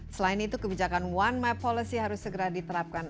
selain itu kebijakan one map policy harus segera diterapkan